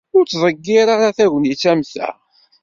Ur ttḍeggir ara tagnit am ta.